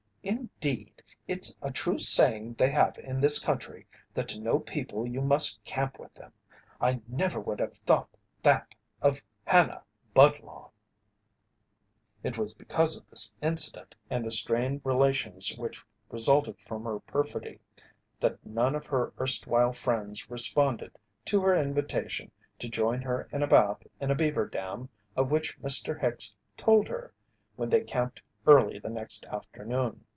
Indeed, it's a true saying they have in this country that to know people you must camp with them. I never would have thought that of Hannah Budlong!" It was because of this incident, and the strained relations which resulted from her perfidy, that none of her erstwhile friends responded to her invitation to join her in a bath in a beaver dam of which Mr. Hicks told her when they camped early the next afternoon.